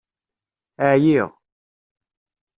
Ɛyiɣ!